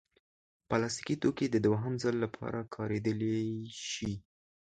پلاستيکي توکي د دوهم ځل لپاره کارېدلی شي.